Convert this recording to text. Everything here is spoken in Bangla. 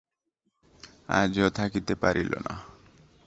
আজও থাকিতে পারিল না।